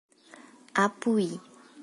Apuí